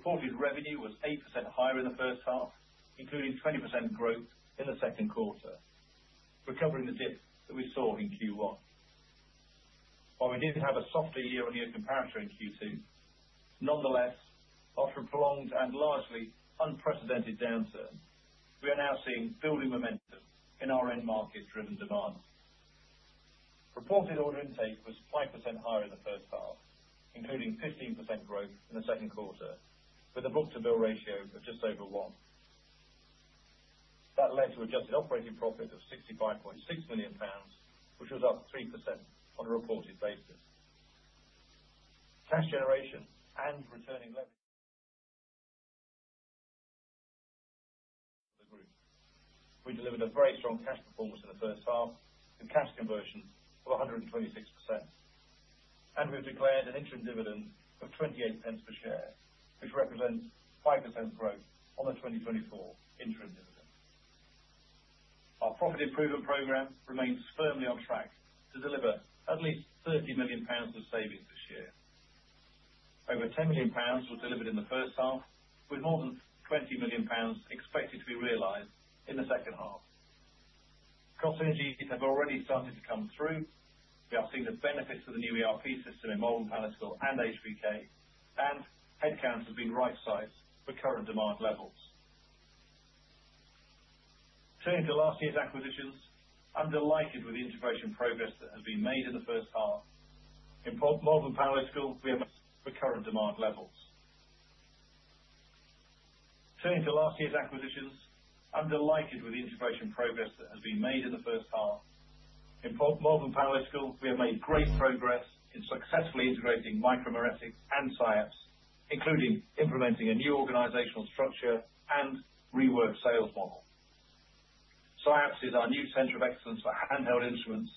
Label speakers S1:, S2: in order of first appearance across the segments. S1: Reported revenue was 8% higher in the first half, including 20% growth in the second quarter, recovering the dip that we saw in Q1. While we did have a softer year-on-year comparison in Q2, nonetheless, after a prolonged and largely unprecedented downturn, we are now seeing building momentum in our end-market-driven demand. Reported order intake was 5% higher in the first half, including 15% growth in the second quarter, with the book-to-bill ratio of just over one. That led to a jump in operating profit of £65.6 million, which was up 3% on the reported basis. Cash generation and returning revenue. We delivered a very strong cash performance in the first half, with cash conversion of 126%. We've declared an interim dividend of £0.28 per share, which represents 5% growth on the 2024 interim dividend. Our profit improvement program remains firmly on track to deliver at least £30 million of savings this year. Over £10 million was delivered in the first half, with more than £20 million expected to be realized in the second half. Cost synergy is already starting to come through. We are seeing the benefits of the new ERP system in modern management and HVK, and headcount has been right-sized for current demand level. Turning to last year's acquisitions, I'm delighted with the integration progress that has been made in the first half in MicroMaritima and SIAP. We have made great progress in successfully integrating MicroMaritima and SIAP, including implementing a new organizational structure and reworked sales model. SIAP is our new center of excellence for handheld instruments,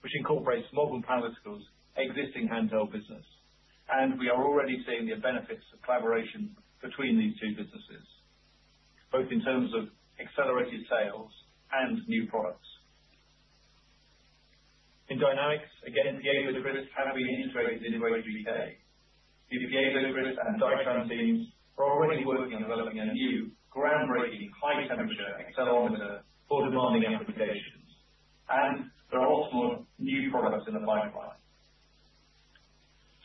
S1: which incorporates MicroMaritima's existing handheld business. We are already seeing the benefits of collaboration between these two businesses, both in terms of accelerated sales and new products. In Dynamics, again, PA Midcrest has been integrating into Spectris Dynamics. PA Midcrest and SIAP and our team are already working on developing a new groundbreaking high-temperature accelerometer for demanding applications. There are also more new products in the pipeline.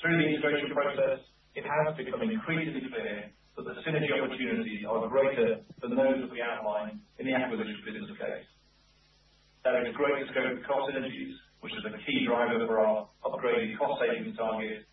S1: Through the integration process, it has become increasingly clear that synergy opportunities are greater than those that we outlined in the acquisition business case. That is greater scope for cross energies, which is a key driver for our upgraded cost savings target.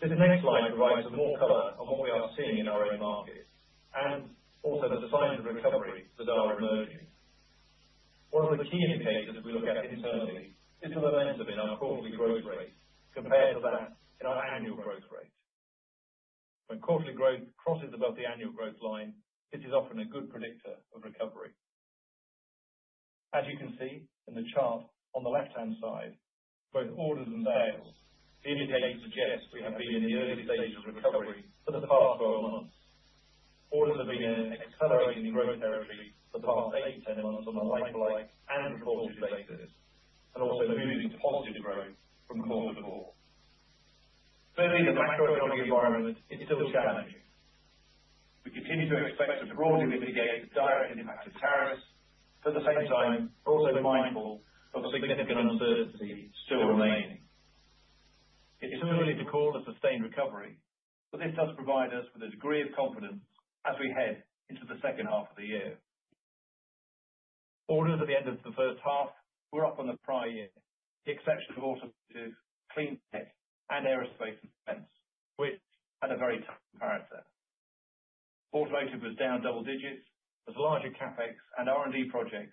S1: The next slide provides some more color on what we are seeing in our end market and also the design of the recovery that I would love here. One of the key indicators we look at internally is the momentum in our quarterly growth rate compared to that in our annual growth rate. When quarterly growth crosses above the annual growth line, it is often a good predictor of recovery. As you can see in the chart on the left-hand side, both orders and values, the indicators suggest we have been in the early stages of recovery for the past 12 months. Orders have been in accelerating growth territory for the past 8-10 months on the lifeline and the quarterly basis, and also moving to positive growth from quarter to quarter. Certainly, the macroeconomic environment is still challenging. It seems to expect the cruel news to gain a direct impact of tariffs. At the same time, also be mindful of the significant uncertainties still remaining. It's too early to call a sustained recovery, but this does provide us with a degree of confidence as we head into the second half of the year. Orders at the end of the first half were up on the prior year, except for automotive, clean tech, and aerospace spends, which had a very tough comparison. Automotive was down double digits, but larger CapEx and R&D projects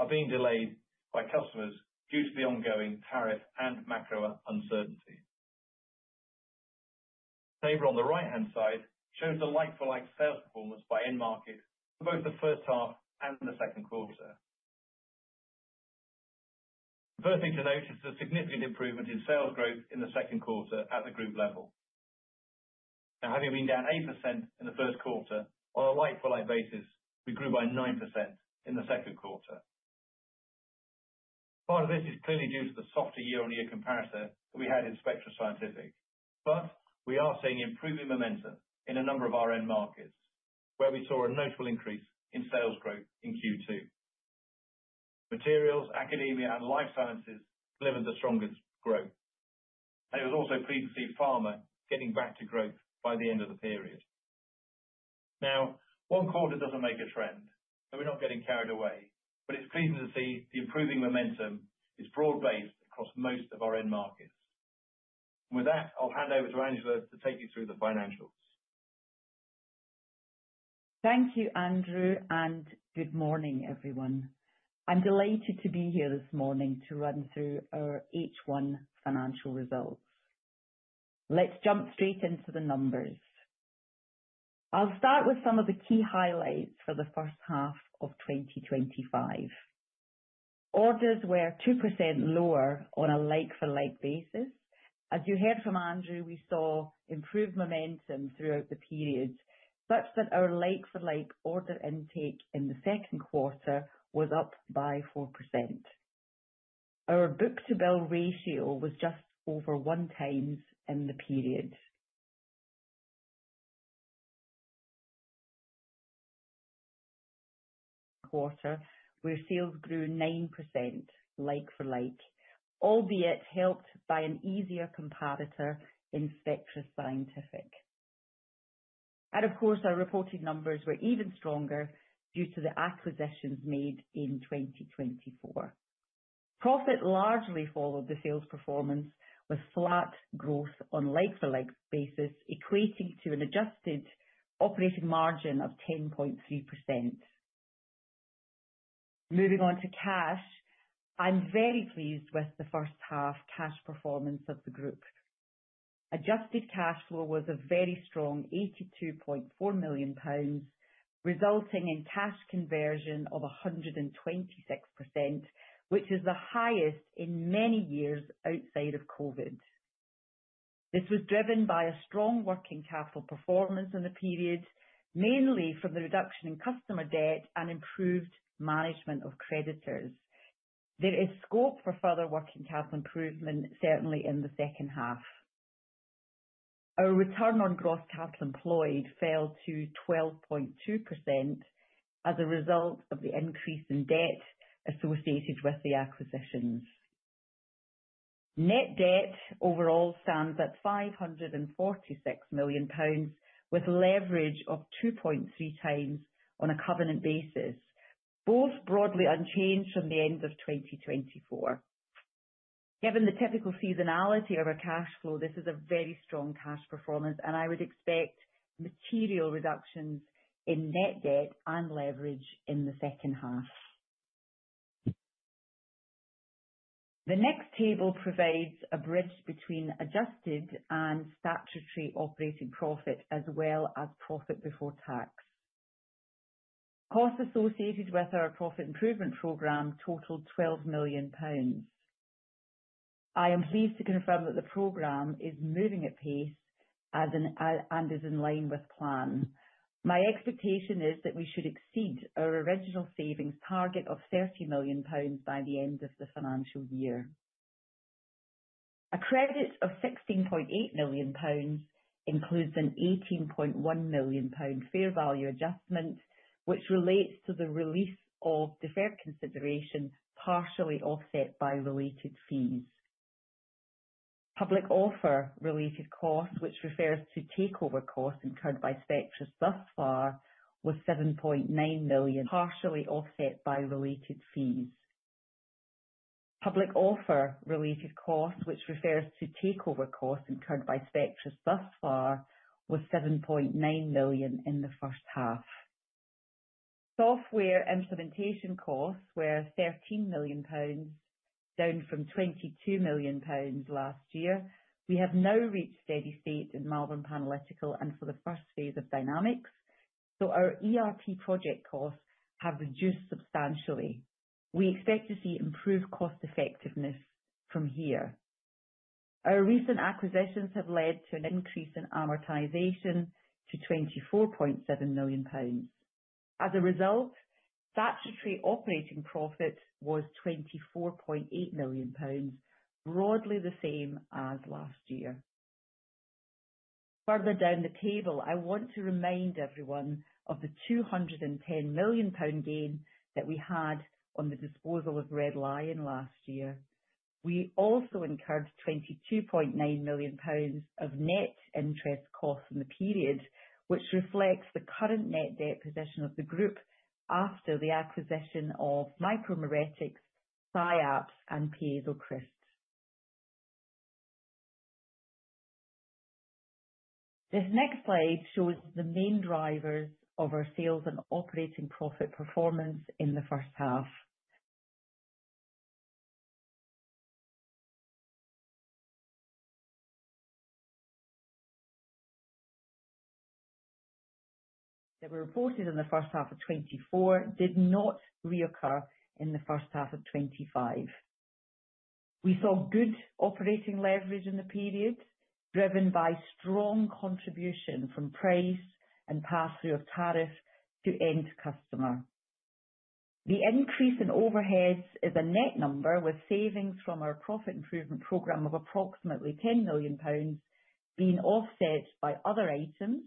S1: are being delayed by customers due to the ongoing tariff and macro uncertainty. The table on the right-hand side shows the like-for-like sales performance by end market for both the first half and the second quarter. The first thing to note is the significant improvement in sales growth in the second quarter at the group level. Now, having been down 8% in the first quarter, on a like-for-like basis, we grew by 9% in the second quarter. Part of this is clearly due to the softer year-on-year comparison we had in Spectris Scientific. We are seeing improving momentum in a number of our end markets, where we saw a notable increase in sales growth in Q2. Materials, academia, and life sciences delivered the strongest growth. It was also clear to see pharma getting back to growth by the end of the period. One quarter doesn't make a trend, and we're not getting carried away, but it's pleasing to see the improving momentum is broad-based across most of our end markets. With that, I'll hand over to Angela to take you through the financials.
S2: Thank you, Andrew, and good morning, everyone. I'm delighted to be here this morning to run through our H1 financial results. Let's jump straight into the numbers. I'll start with some of the key highlights for the first half of 2025. Orders were 2% lower on a like-for-like basis. As you heard from Andrew, we saw improved momentum throughout the period, such that our like-for-like order intake in the second quarter was up by 4%. Our book-to-bill ratio was just over 1x in the period. In the quarter, sales grew 9% like-for-like, albeit helped by an easier comparator in Spectris Scientific. Of course, our reported numbers were even stronger due to the acquisitions made in 2024. Profit largely followed the sales performance with flat growth on a like-for-like basis, equating to an adjusted operating margin of 10.3%. Moving on to cash, I'm very pleased with the first half cash performance of the group. Adjusted cash flow was a very strong £82.4 million, resulting in cash conversion of 126%, which is the highest in many years outside of COVID. This was driven by a strong working capital performance in the period, mainly from the reduction in customer debt and improved management of creditors. There is scope for further working capital improvement, certainly in the second half. Our return on gross capital employed fell to 12.2% as a result of the increase in debt associated with the acquisitions. Net debt overall stands at £546 million, with a leverage of 2.3x on a covenant basis, both broadly unchanged from the end of 2024. Given the typical seasonality of our cash flow, this is a very strong cash performance, and I would expect material reductions in net debt and leverage in the second half. The next table provides a bridge between adjusted and statutory operating profit, as well as profit before tax. Costs associated with our profit improvement program totaled £12 million. I am pleased to confirm that the program is moving at pace and is in line with plan. My expectation is that we should exceed our original savings target of £30 million by the end of the financial year. A credit of £16.8 million includes an £18.1 million fair value adjustment, which relates to the release of deferred consideration partially offset by related fees. Public offer related costs, which refers to takeover costs incurred by Spectris thus far, was £7.9 million, partially offset by related fees. Public offer related costs, which refers to takeover costs incurred by Spectris thus far, was £7.9 million in the first half. Software implementation costs were £13 million, down from £22 million last year. We have now reached steady state in Malvern Panalytical and for the first phase of Dynamics, so our ERP project costs have reduced substantially. We expect to see improved cost effectiveness from here. Our recent acquisitions have led to an increase in amortization to £24.7 million. As a result, statutory operating profit was £24.8 million, broadly the same as last year. Further down the table, I want to remind everyone of the £210 million gain that we had on the disposal of Red Lion last year. We also incurred £22.9 million of net interest costs in the period, which reflects the current net debt position of the group after the acquisition of MicroMaritima, SIAP, and PA Midcrest. This next slide shows the main drivers of our sales and operating profit performance in the first half. That were reported in the first half of 2024 did not reoccur in the first half of 2025. We saw good operating leverage in the period, driven by strong contribution from price and pass-through of tariff to end customer. The increase in overheads is a net number with savings from our profit improvement program of approximately £10 million being offset by other items,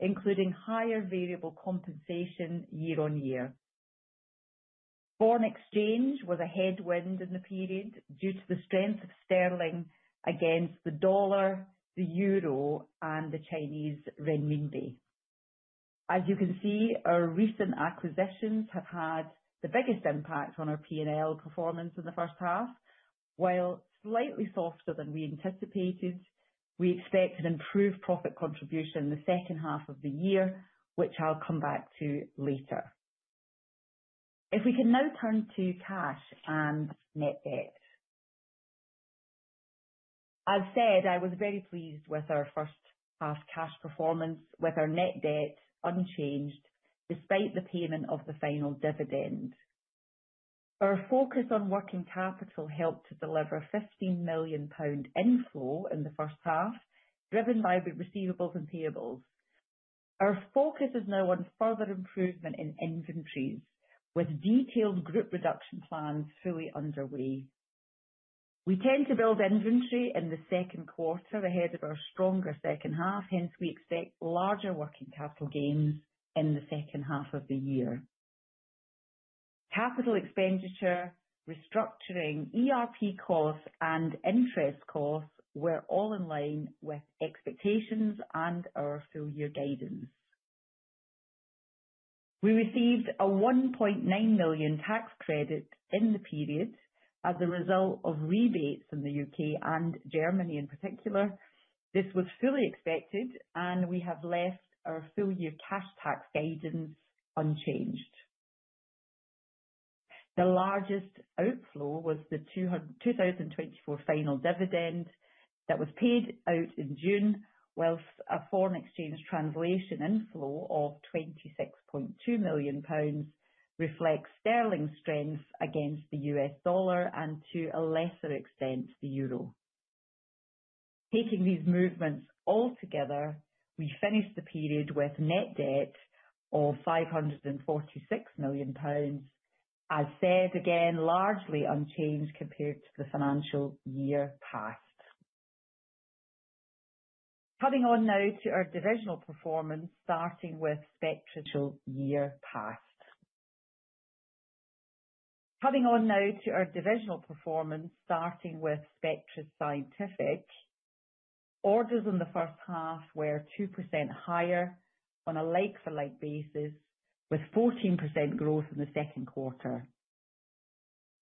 S2: including higher variable compensation year-on-year. Foreign exchange was a headwind in the period due to the strength of sterling against the dollar, the euro, and the Chinese renminbi. As you can see, our recent acquisitions have had the biggest impact on our P&L performance in the first half. While slightly softer than we anticipated, we expect an improved profit contribution in the second half of the year, which I'll come back to later. If we can now turn to cash and net debt. As said, I was very pleased with our first half cash performance, with our net debt unchanged despite the payment of the final dividend. Our focus on working capital helped to deliver a £15 million inflow in the first half, driven by the receivables and payables. Our focus is now on further improvement in inventories, with detailed group reduction plans fully underway. We tend to build inventory in the second quarter ahead of our stronger second half, hence we expect larger working capital gains in the second half of the year. Capital expenditure, restructuring, ERP costs, and interest costs were all in line with expectations and our full-year guidance. We received a £1.9 million tax credit in the period as a result of rebates in the UK and Germany in particular. This was fully expected, and we have left our full-year cash tax guidance unchanged. The largest outflow was the 2024 final dividend that was paid out in June, whilst a foreign exchange translation inflow of £26.2 million reflects sterling strength against the U.S. dollar and to a lesser extent the euro. Taking these movements all together, we finished the period with net debt of £546 million. As said, again, largely unchanged compared to the financial year past. Coming on now to our divisional performance, starting with Spectris Scientific. Orders in the first half were 2% higher on a like-for-like basis, with 14% growth in the second quarter.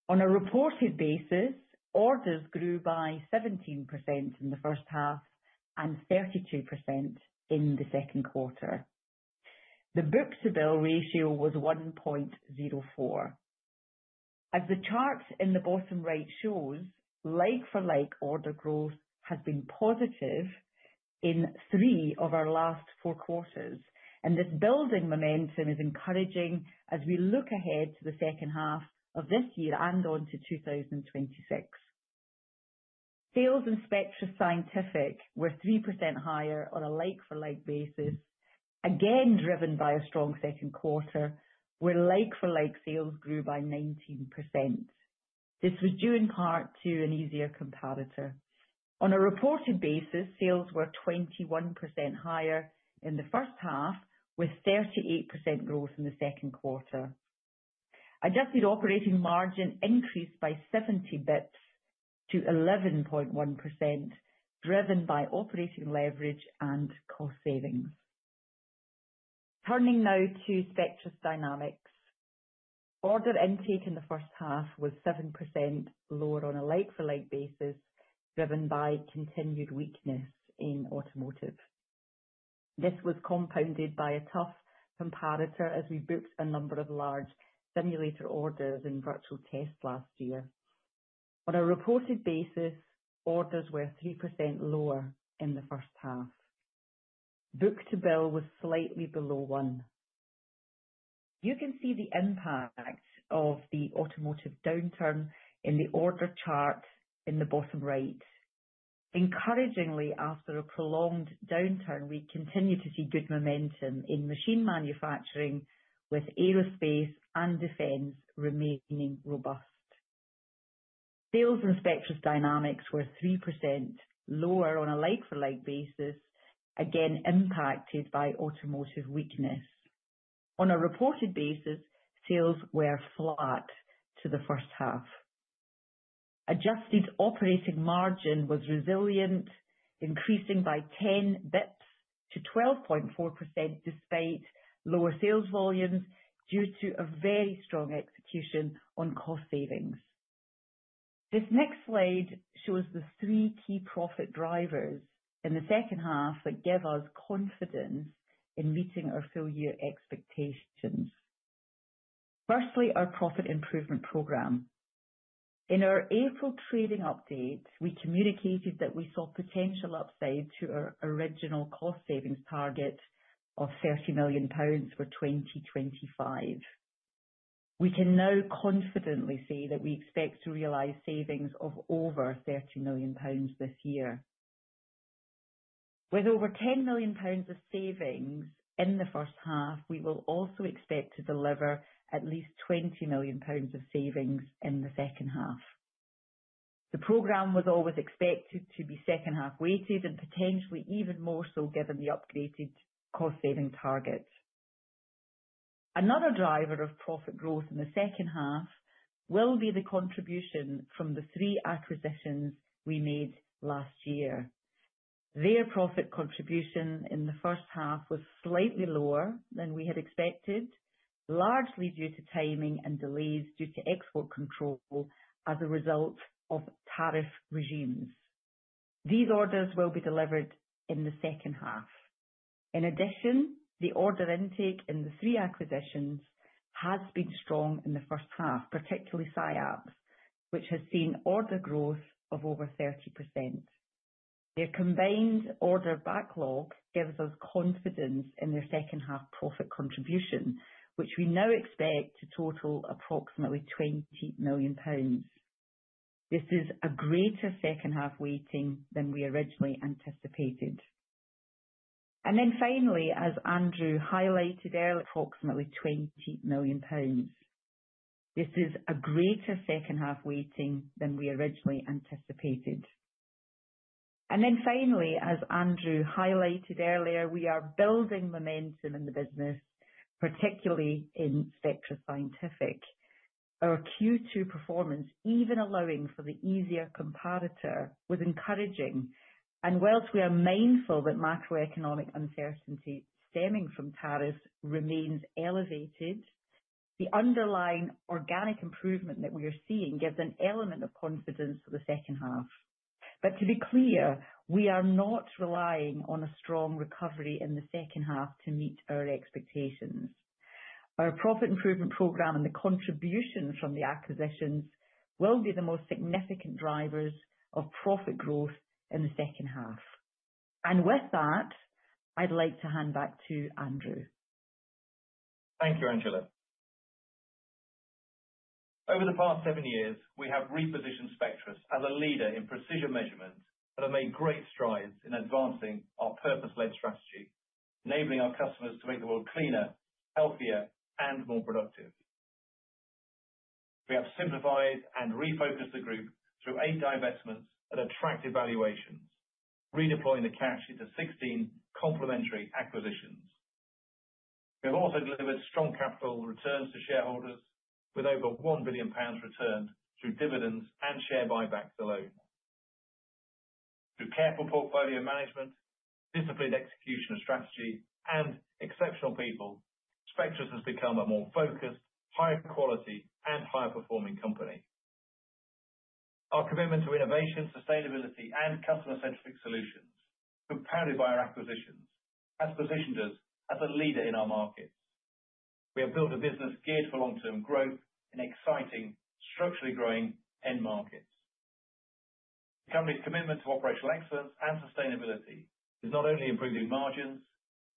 S2: On a reported basis, orders grew by 17% in the first half and 32% in the second quarter. The book-to-bill ratio was 1.04. As the chart in the bottom right shows, like-for-like order growth has been positive in three of our last four quarters, and this building momentum is encouraging as we look ahead to the second half of this year and on to 2026. Sales in Spectris Scientific were 3% higher on a like-for-like basis, again driven by a strong second quarter, where like-for-like sales grew by 19%. This was due in part to an easier comparator. On a reported basis, sales were 21% higher in the first half, with 38% growth in the second quarter. Adjusted operating margin increased by 70 bps to 11.1%, driven by operating leverage and cost savings. Turning now to Spectris Dynamics, order intake in the first half was 7% lower on a like-for-like basis, driven by continued weakness in automotive. This was compounded by a tough comparator as we booked a number of large simulator orders in virtual tests last year. On a reported basis, orders were 3% lower in the first half. Book-to-bill was slightly below one. You can see the impact of the automotive downturn in the order chart in the bottom right. Encouragingly, after a prolonged downturn, we continue to see good momentum in machine manufacturing, with aerospace and defense remaining robust. Sales in Spectris Dynamics were 3% lower on a like-for-like basis, again impacted by automotive weakness. On a reported basis, sales were flat to the first half. Adjusted operating margin was resilient, increasing by 10 bps to 12.4% despite lower sales volumes due to a very strong execution on cost savings. This next slide shows the three key profit drivers in the second half that give us confidence in meeting our full-year expectations. Firstly, our profit improvement program. In our April trading update, we communicated that we saw potential upside to our original cost savings target of £30 million for 2025. We can now confidently say that we expect to realize savings of over £30 million this year. With over £10 million of savings in the first half, we will also expect to deliver at least £20 million of savings in the second half. The program was always expected to be second half weighted and potentially even more so given the updated cost saving target. Another driver of profit growth in the second half will be the contribution from the three acquisitions we made last year. Their profit contribution in the first half was slightly lower than we had expected, largely due to timing and delays due to export control as a result of tariff regimes. These orders will be delivered in the second half. In addition, the order intake in the three acquisitions has been strong in the first half, particularly SIAP, which has seen order growth of over 30%. Their combined order backlog gives us confidence in their second half profit contribution, which we now expect to total approximately £20 million. This is a greater second half weighting than we originally anticipated. Finally, as Andrew highlighted earlier, we are building momentum in the business, particularly in Spectris Scientific. Our Q2 performance, even allowing for the easier comparator, was encouraging. Whilst we are mindful that macroeconomic uncertainty stemming from tariffs remains elevated, the underlying organic improvement that we are seeing gives an element of confidence for the second half. To be clear, we are not relying on a strong recovery in the second half to meet our expectations. Our profit improvement program and the contribution from the acquisitions will be the most significant drivers of profit growth in the second half. With that, I'd like to hand back to Andrew.
S1: Thank you, Angela. Over the past seven years, we have repositioned Spectris as a leader in precision measurement and have made great strides in advancing our purpose-led strategy, enabling our customers to make the world cleaner, healthier, and more productive. We have simplified and refocused the group through eight divestments at attractive valuations, redeploying the cash into 16 complementary acquisitions. We've also delivered strong capital returns to shareholders with over £1 billion returned through dividends and share buybacks alone. Through careful portfolio management, disciplined execution strategy, and exceptional people, Spectris has become a more focused, higher quality, and higher performing company. Our commitment to innovation, sustainability, and customer-centric solutions compounded by our acquisitions has positioned us as a leader in our market. We have built a business geared for long-term growth in exciting, structurally growing end markets. The company's commitment to operational excellence and sustainability is not only improving margins,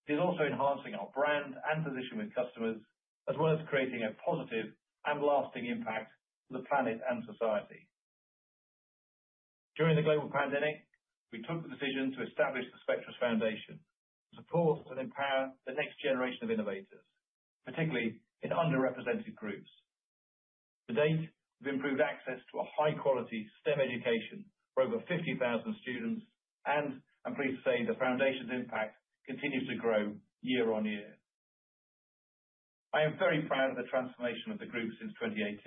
S1: it is also enhancing our brand and position with customers, as well as creating a positive and lasting impact on the planet and society. During the global pandemic, we took the decision to establish the Spectris Foundation to support and empower the next generation of innovators, particularly in underrepresented groups. To date, we've improved access to a high-quality STEM education for over 50,000 students, and I'm pleased to say the foundation's impact continues to grow year-on-year. I am very proud of the transformation of the group since 2018.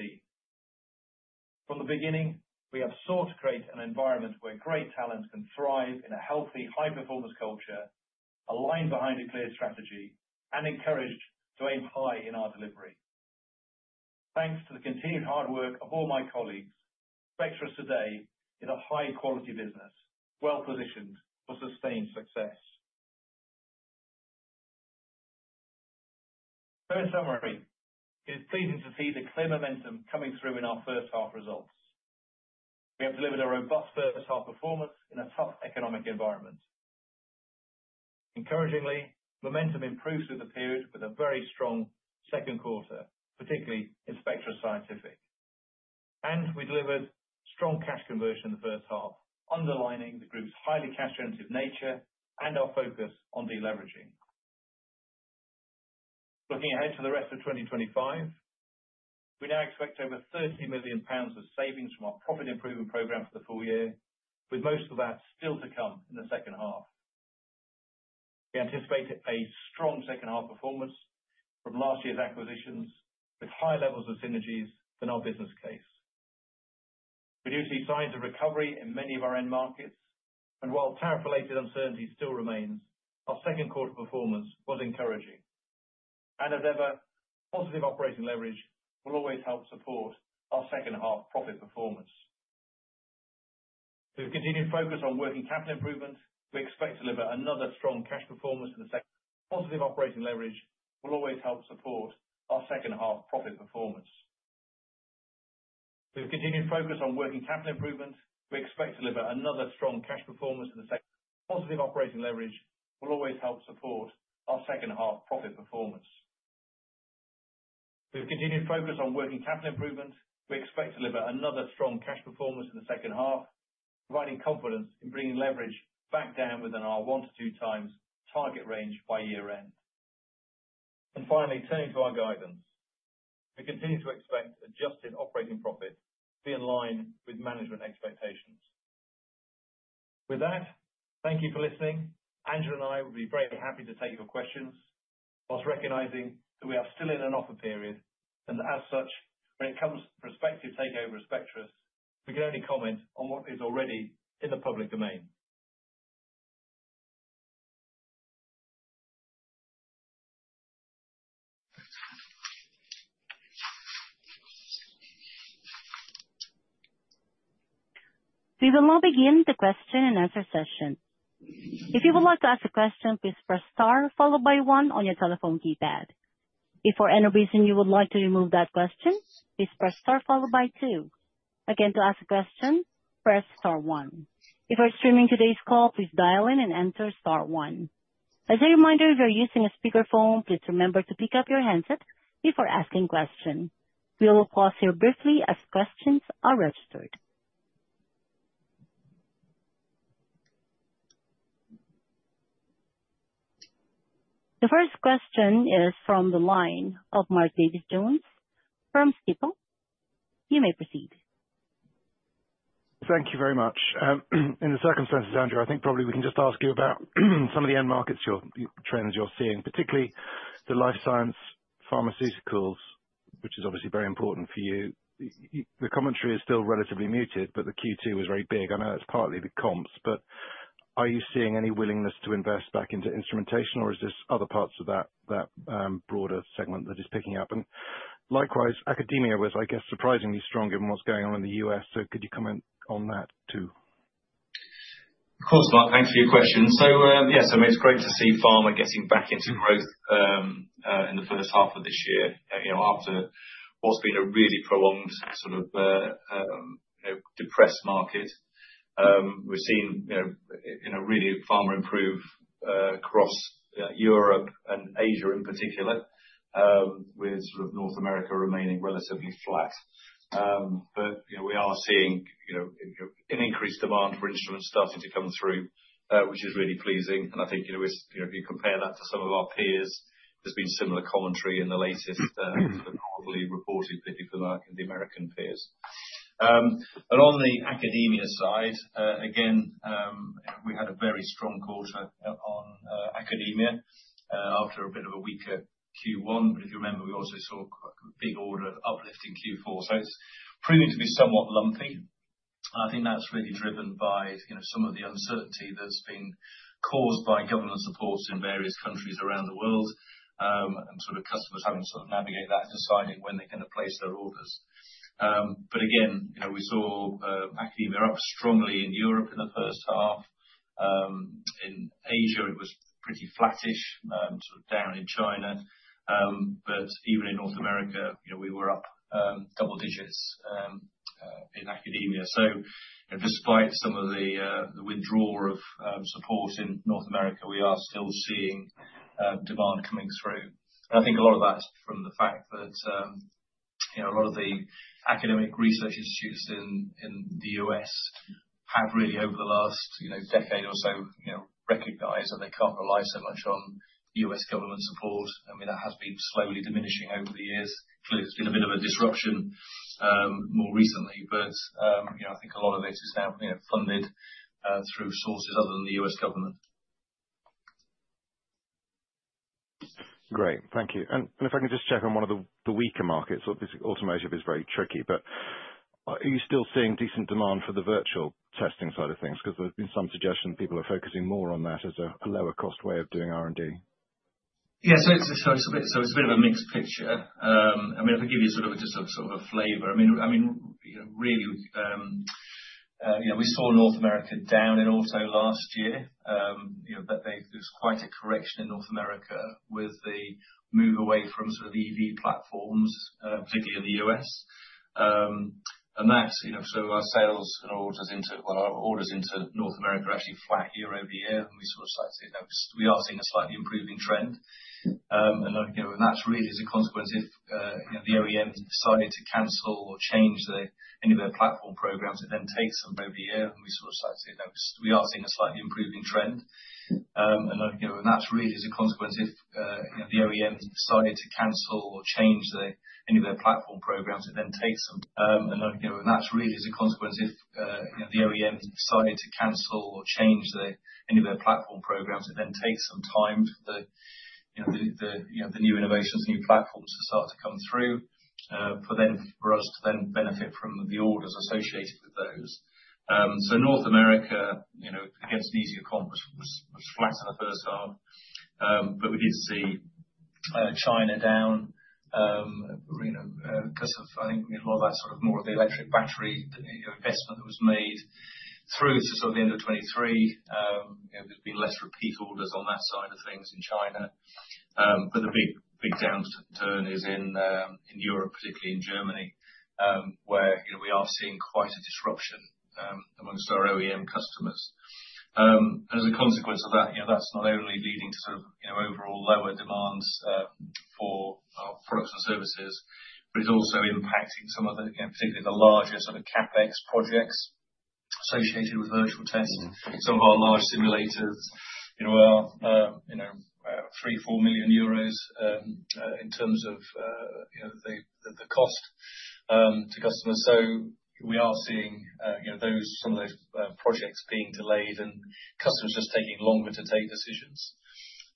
S1: From the beginning, we have sought to create an environment where great talents can thrive in a healthy, high-performance culture, aligned behind a clear strategy, and encouraged to aim high in our delivery. Thanks to the continued hard work of all my colleagues, Spectris today is a high-quality business, well-positioned for sustained success. In summary, it is pleasing to see the clear momentum coming through in our first half results. We have delivered a robust first half performance in a tough economic environment. Encouragingly, momentum improves through the period with a very strong second quarter, particularly in Spectris Scientific. We delivered strong cash conversion in the first half, underlining the group's highly cash-oriented nature and our focus on deleveraging. Looking ahead to the rest of 2025, we now expect over £30 million of savings from our profit improvement program for the full year, with most of that still to come in the second half. We anticipate a strong second half performance from last year's acquisitions, with high levels of synergies in our business case. We do see signs of recovery in many of our end markets, and while tariff-related uncertainty still remains, our second quarter performance was encouraging. Positive operating leverage will always help support our second half profit performance. With continued focus on working capital improvement, we expect to deliver another strong cash performance in the second half, providing confidence in bringing leverage back down within our 1x-2x target range by year-end. Finally, turning to our guidance, we continue to expect adjusted operating profit to be in line with management expectations. With that, thank you for listening. Andrew and I would be very happy to take your questions, whilst recognizing that we are still in an offer period. As such, when it comes to prospective takeovers of Spectris, we can only comment on what is already in the public domain.
S3: We will now begin the question and answer session. If you would like to ask a question, please press star, followed by one on your telephone keypad. If for any reason you would like to remove that question, please press star, followed by two. Again, to ask a question, press star one. If you're streaming today's call, please dial in and enter star one. As a reminder, if you're using a speakerphone, please remember to pick up your headset before asking questions. We will pause here briefly as questions are registered. The first question is from the line of Mark Davies Jones from Stifel. You may proceed.
S4: Thank you very much. In the circumstances, Andrew, I think probably we can just ask you about some of the end market trends you're seeing, particularly the life science pharmaceuticals, which is obviously very important for you. The commentary is still relatively muted, but the Q2 was very big. I know that's partly the comps, but are you seeing any willingness to invest back into instrumentation, or is this other parts of that broader segment that is picking up? Likewise, academia was, I guess, surprisingly strong given what's going on in the U.S. Could you comment on that too?
S1: Of course, Mark. Thanks for your question. Yes, it's great to see pharma getting back into growth in the first half of this year after what's been a really prolonged, depressed market. We've seen pharma improve across Europe and Asia in particular, with North America remaining relatively flat. We are seeing an increased demand for instruments starting to come through, which is really pleasing. I think if you compare that to some of our peers, there's been similar commentary in the latest quarterly reporting for the American peers. On the academia side, we had a very strong quarter on academia after a bit of a weaker Q1. If you remember, we also saw a big order uplift in Q4. It's proven to be somewhat lumpy. I think that's really driven by some of the uncertainty that's been caused by government support in various countries around the world and customers having to navigate that and deciding when they're going to place their orders. We saw academia up strongly in Europe in the first half. In Asia, it was pretty flattish, down in China. Even in North America, we were up a couple of digits in academia. Despite some of the withdrawal of support in North America, we are still seeing demand coming through. I think a lot of that is from the fact that a lot of the academic research institutes in the U.S. have really, over the last decade or so, recognized that they can't rely so much on U.S. government support. That has been slowly diminishing over the years. It's been a bit of a disruption more recently. I think a lot of this is happening funded through sources other than the U.S. government.
S4: Great. Thank you. If I can just check on one of the weaker markets, obviously automotive is very tricky, but are you still seeing decent demand for the virtual testing side of things? There's been some suggestion people are focusing more on that as a lower-cost way of doing R&D.
S1: Yeah. It's a bit of a mixed picture. If I give you sort of a flavor, we saw North America down in auto last year. There's quite a correction in North America with the move away from the EV platforms maybe in the U.S. Our sales and orders into North America are actually flat year-over-year. We start to see that we are seeing a slightly improving trend. That's really as a consequence if the OEMs decided to cancel or change any of their platform programs, it then takes them over a year. We start to see that we are seeing a slightly improving trend. That's really as a consequence if the OEMs decided to cancel or change any of their platform programs, it then takes them. That's really as a consequence if the OEMs decided to cancel or change any of their platform programs, it then takes some time for the new innovations, new platforms to start to come through for us to then benefit from the orders associated with those. North America, against the easier comp, was flat out the first half. We did see China down. I think we had a lot of that more of the electric battery investment that was made through to the end of 2023. We've been less repeat orders on that side of things in China. The big downturn is in Europe, particularly in Germany, where we are seeing quite a disruption amongst our OEM customers. As a consequence of that, that's not only leading to overall lower demands for products and services, but it's also impacting some of the, particularly the larger CapEx projects associated with virtual testing. Some of our large simulators are €34 million in terms of the cost to customers. We are seeing some of those projects being delayed and customers just taking longer to take decisions.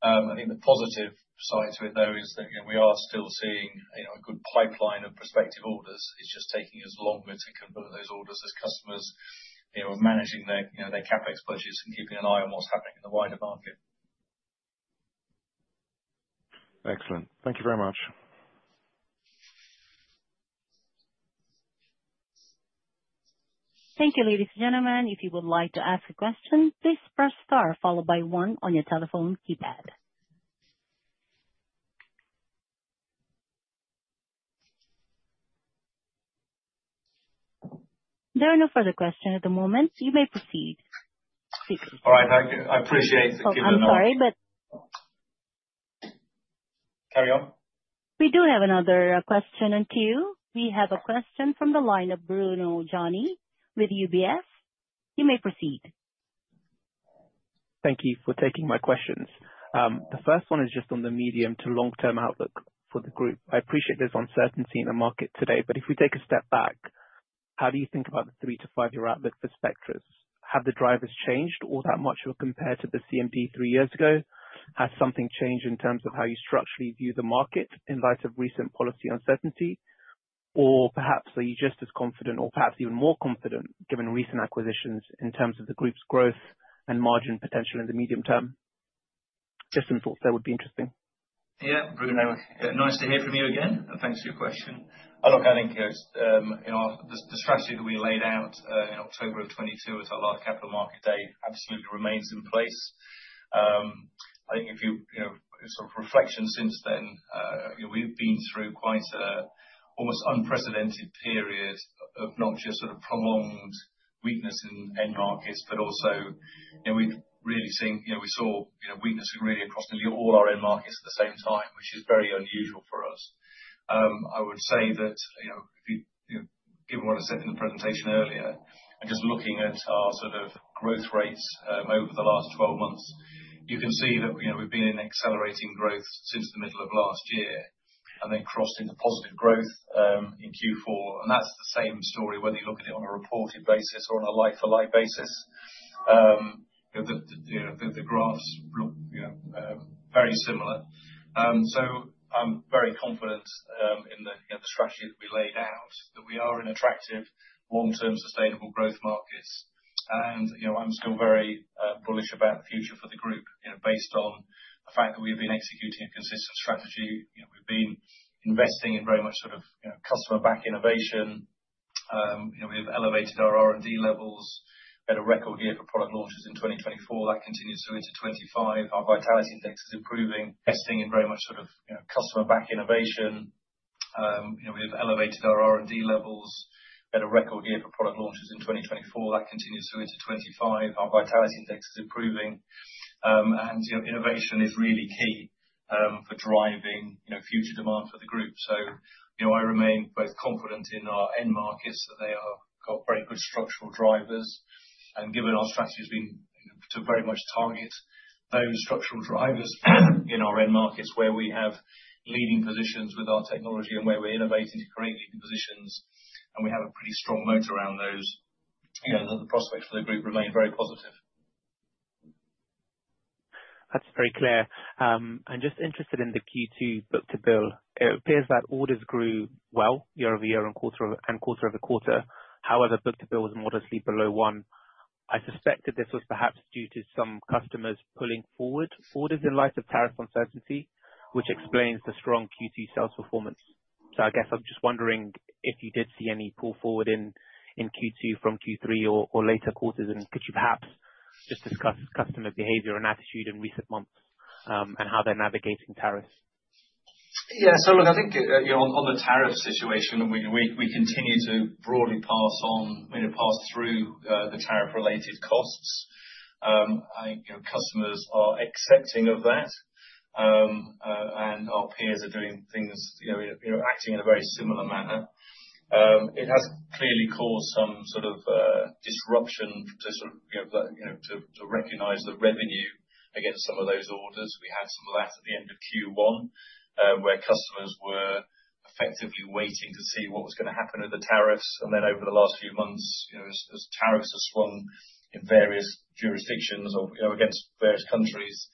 S1: The positive side is with those that we are still seeing a good pipeline of prospective orders. It's just taking us longer to convert those orders as customers are managing their CapEx budgets and keeping an eye on what's happening in the wider market.
S4: Excellent. Thank you very much.
S3: Thank you, ladies and gentlemen. If you would like to ask a question, please press star followed by one on your telephone keypad. There are no further questions at the moment. You may proceed.
S5: All right. Thank you. I appreciate that.
S3: I'm sorry, but.
S5: Carry on.
S3: We do have another question in queue. We have a question from the line of Bruno Gianni with UBS. You may proceed.
S6: Thank you for taking my questions. The first one is just on the medium to long-term outlook for the group. I appreciate there's uncertainty in the market today, but if we take a step back, how do you think about the three to five-year outlook for Spectris? Have the drivers changed all that much or compared to the CMP three years ago? Has something changed in terms of how you structurally view the market in light of recent policy uncertainty? Or perhaps are you just as confident or perhaps even more confident given recent acquisitions in terms of the group's growth and margin potential in the medium term? Just some thoughts there would be interesting.
S1: Yeah, Bruno, nice to meet with you again. Thanks for your question. I think you know the strategy that we laid out in October of 2022 as our large capital market day absolutely remains in place. If you know it's a reflection since then, we've been through quite an almost unprecedented period of not just sort of prolonged weakness in end markets, but also we've really seen we saw weakness really across all our end markets at the same time, which is very unusual for us. I was saying that given what I said in the presentation earlier, and just looking at our sort of growth rates over the last 12 months, you can see that we've been in accelerating growth since the middle of last year and then crossing the positive growth in Q4. That's the same story whether you look at it on a reported basis or on a like-for-like basis. The graphs look very similar. I'm very confident in the strategy that we laid out that we are in attractive long-term sustainable growth markets. I'm still very bullish about the future for the group, based on the fact that we have been executing a consistent strategy. We've been investing in very much sort of customer-backed innovation. We've elevated our R&D levels. We had a record year for product launches in 2024. That continues through to 2025. Our vitality index is improving, investing in very much sort of customer-backed innovation. We've elevated our R&D levels. We had a record year for product launches in 2024. That continues through to 2025. Our vitality index is improving. Innovation is really key for driving future demand for the group. I remain both confident in our end markets that they are very good structural drivers. Given our strategy has been very much targeted over structural drivers in our end markets where we have leading positions with our technology and where we're innovating to create new positions, and we have a pretty strong moat around those, the prospects for the group remain very positive.
S6: That's very clear. I'm just interested in the Q2 book-to-bill. It appears that orders grew well year-over-year and quarter over quarter. However, book-to-bill was modestly below one. I suspect that this was perhaps due to some customers pulling forward orders in light of tariff uncertainty, which explains the strong Q2 sales performance. I guess I'm just wondering if you did see any pull forward in Q2 from Q3 or later quarters, and could you perhaps just discuss customer behavior and attitude in recent months and how they're navigating tariffs?
S1: Yeah. I think on the tariff situation, we continue to broadly pass on, you know, pass through the tariff-related costs. I think customers are accepting of that, and our peers are doing things, you know, acting in a very similar manner. It has clearly caused some sort of disruption just to recognize the revenue against some of those orders. We had some of that at the end of Q1, where customers were effectively waiting to see what was going to happen with the tariffs. Over the last few months, you know, as tariffs have swung in various jurisdictions or against various countries,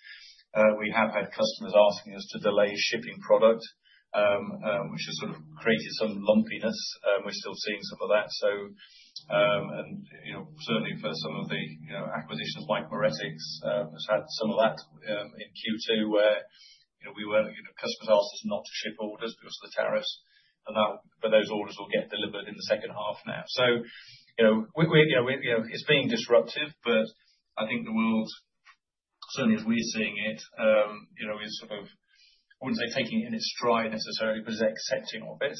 S1: we have had customers asking us to delay shipping product, which has sort of created some lumpiness. We're still seeing some of that. Certainly for some of the acquisitions, Micromeritics Instrument Corporation has had some of that in Q2, where, you know, we were customers asked us not to ship orders because of the tariffs. Those orders will get delivered in the second half now. It's being disruptive, but I think the world, certainly as we're seeing it, you know, is sort of, wouldn't say taking it in its stride necessarily, but is accepting of it.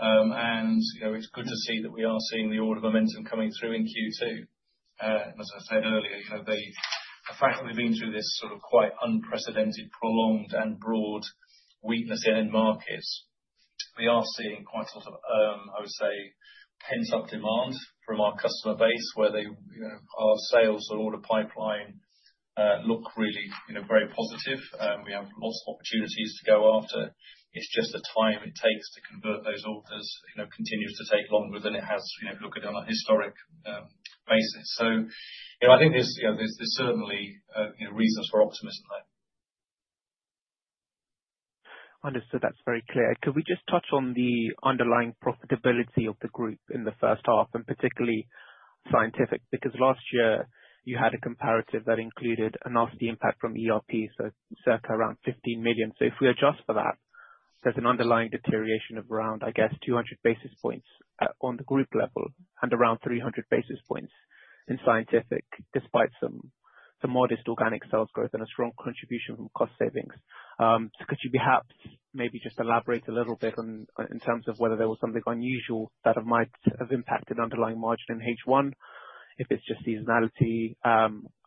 S1: It's good to see that we are seeing the order momentum coming through in Q2. As I said earlier, kind of the fact that we've been through this sort of quite unprecedented, prolonged, and broad weakness in end markets, we are seeing quite sort of, I would say, tens of demands from our customer base where our sales and order pipeline look really very positive. We have, of course, opportunities to go after. It's just the time it takes to convert those orders continues to take longer than it has if you look at it on a historic basis. I think there's certainly reasons for optimism there.
S6: Understood. That's very clear. Could we just touch on the underlying profitability of the group in the first half and particularly Scientific? Because last year, you had a comparative that included and asked the impact from the ERP system, so circa around £15 million. If we adjust for that, there's an underlying deterioration of around, I guess, 200 basis points on the group level and around 300 basis points in Scientific despite some modest organic sales growth and a strong contribution from cost savings. Could you perhaps maybe just elaborate a little bit in terms of whether there was something unusual that might have impacted underlying margin in H1? If it's just seasonality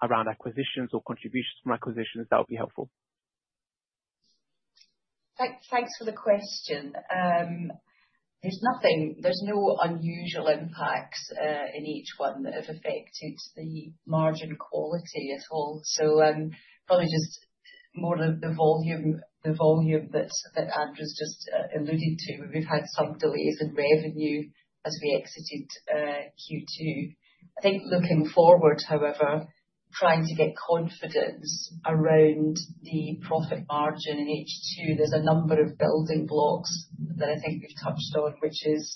S6: around acquisitions or contributions from acquisitions, that would be helpful.
S2: Thanks for the question. There's nothing, there's no unusual impact in H1 that has affected the margin quality at all. Probably just more the volume that Andrew's just alluded to. We've had some delays in revenue as we exited Q2. I think looking forward, however, trying to get confidence around the profit margin in H2, there's a number of building blocks that I think we've touched on, which is,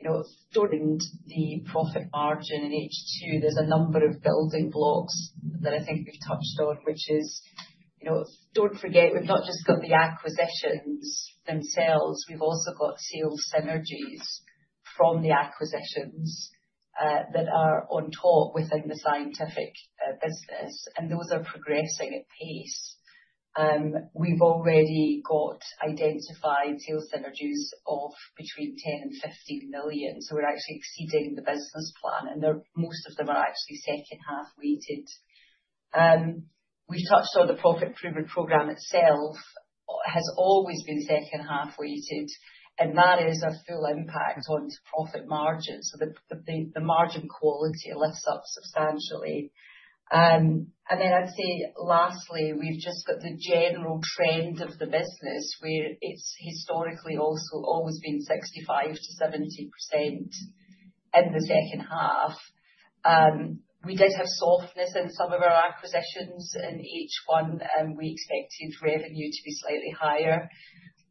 S2: you know, it's storing the profit margin in H2. There's a number of building blocks that I think we've touched on, which is, you know, don't forget, we've not just got the acquisitions themselves. We've also got sales synergies from the acquisitions that are on top within the Scientific business, and those are progressing at pace. We've already got identified sales synergies of between $10 million and $15 million. We're actually exceeding the business plan, and most of them are actually second half weighted. We touched on the profit through the program itself has always been second half weighted, and that is a full impact on profit margins. The margin quality lifts up substantially. Lastly, we've just got the general trend of the business where it's historically also always been 65%, 70% in the second half. We did have softness in some of our acquisitions in H1, and we expected revenue to be slightly higher.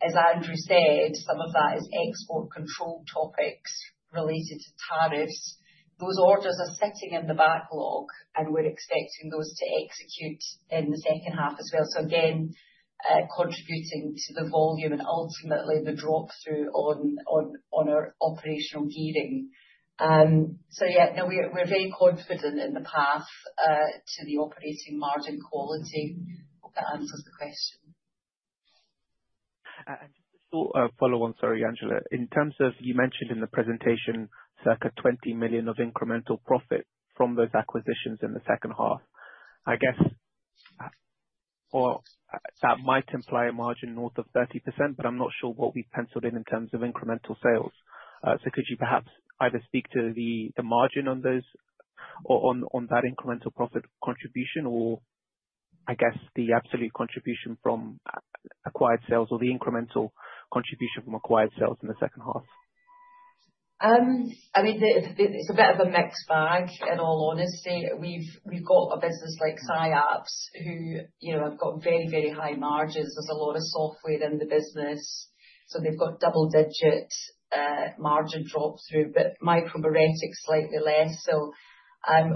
S2: As Andrew said, some of that is export control topics related to tariffs. Those orders are sitting in the backlog, and we're expecting those to execute in the second half as well, contributing to the volume and ultimately the drop through on our operational reading. We're very confident in the path to the operating margin quality. I'll get answered the question.
S6: I just follow on, sorry, Angela. In terms of you mentioned in the presentation, circa £20 million of incremental profit from those acquisitions in the second half. I guess that might imply a margin north of 30%, but I'm not sure what we've penciled in in terms of incremental sales. Could you perhaps either speak to the margin on those or on that incremental profit contribution, or the absolute contribution from acquired sales, or the incremental contribution from acquired sales in the second half?
S2: I mean, it's a bit of a mixed bag, in all honesty. We've got a business like SIAP who have got very, very high margins. There's a lot of software in the business. They've got double-digit margin drop through, but Micromeritics slightly less.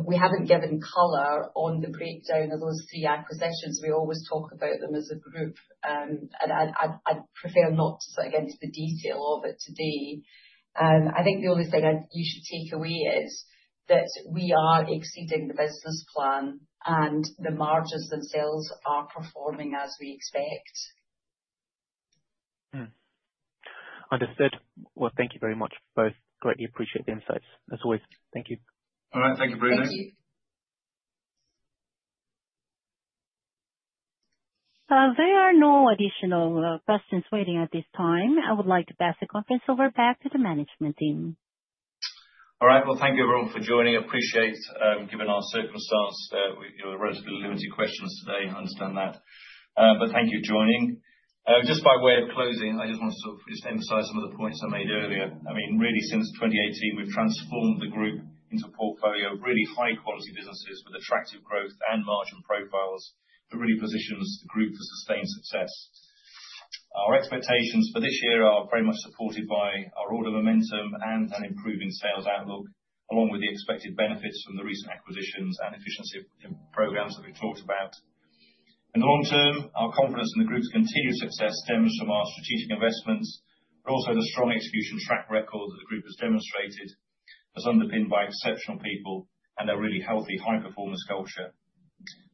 S2: We haven't given color on the breakdown of those acquisitions. We always talk about them as a group. I'd prefer not to go into the detail of it today. I think the only thing I'd use to take away is that we are exceeding the business plan and the margins and sales are performing as we expect.
S6: Thank you very much. Both greatly appreciate the insights, as always. Thank you.
S1: All right. Thank you, Bruno.
S3: There are no additional questions waiting at this time. I would like to pass the conference back to the management team.
S1: All right. Thank you, everyone, for joining. I appreciate we've given our circle of staff the rest of the liberty questions today. I understand that. Thank you for joining. Just by way of closing, I just want to emphasize some of the points I made earlier. Since 2018, we've transformed the group into a portfolio of really high-quality businesses with attractive growth and margin profiles that really positions the group to sustain success. Our expectations for this year are very much supported by our order momentum and an improving sales outlook, along with the expected benefits from the recent acquisitions and efficiency programs that we've talked about. In the long term, our confidence in the group's continued success stems from our strategic investments, but also the strong execution track record that the group has demonstrated, underpinned by exceptional people and a really healthy, high-performance culture.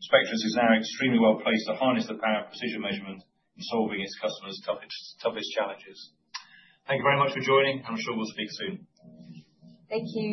S1: Spectris is now extremely well placed to harness the power of precision measurement in solving its customers' toughest challenges. Thank you very much for joining. I'm sure we'll speak soon.
S2: Thank you.